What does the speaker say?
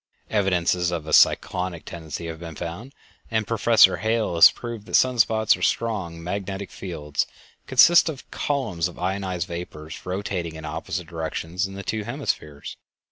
Evidences of a cyclonic tendency have been found, and Professor Hale has proved that sun spots are strong magnetic fields, and consist of columns of ionized vapors rotating in opposite directions in the two hemispheres.